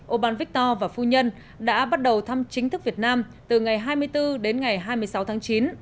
oban victor và phu nhân đã bắt đầu thăm chính thức việt nam từ ngày hai mươi bốn đến ngày hai mươi sáu tháng chín